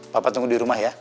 papa tunggu dirumah ya